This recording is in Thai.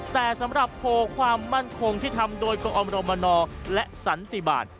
แต่สำหรับโพลความมั่นคงที่ทำโดยกรมรมนและสันติบาล